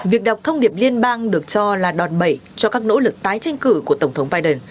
việc đọc thông điệp liên bang được cho là đòn bẩy cho các nỗ lực tái tranh cử của tổng thống biden